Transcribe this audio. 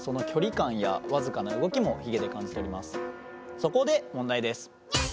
そこで問題です。